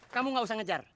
kamu gak usah ngejar